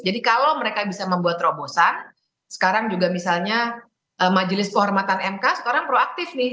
jadi kalau mereka bisa membuat terobosan sekarang juga misalnya majelis kehormatan mk sekarang proaktif nih